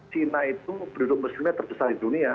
china itu penduduk muslimnya terbesar di dunia